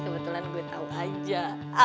kebetulan gue tau aja